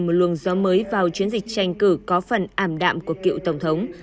một luồng gió mới vào chiến dịch tranh cử có phần ảm đạm của cựu tổng thống